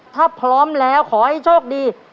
ถ้าพร้อมแล้วขอให้โชคดี